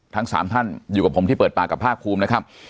ทั้ง๓ท่านอยู่กับผมที่เปิดปากกับภาคภูมินะครับ